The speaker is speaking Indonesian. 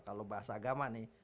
kalau bahasa agama nih